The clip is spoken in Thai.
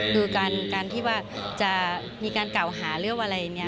คือการที่ว่าจะมีการกล่าวหาเรื่องอะไรอย่างนี้